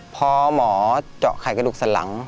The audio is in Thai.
พอหมอเจาะไข่กระดูกสันหลัง